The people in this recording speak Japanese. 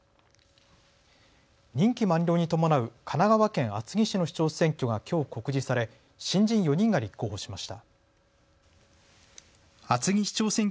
任期満了に伴う神奈川県厚木市の市長選挙がきょう告示され新人４人が立候補しました。